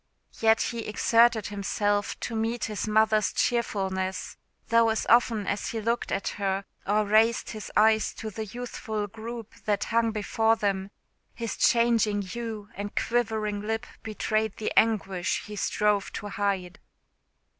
Yet the exerted himself to meet his mother's cheerfulness; though as often as he looked at her, or raised his eyes to the youthful group that hung before them, his changing hue and quivering lip betrayed the anguish he strove to hide.